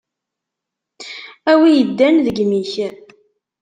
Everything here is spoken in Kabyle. A wi iddan deg imi-k!